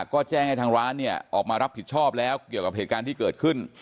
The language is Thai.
ก็แจ้งให้ทางร้านเนี่ยออกมารับผิดชอบแล้วเกี่ยวกับเหตุการณ์ที่เกิดขึ้น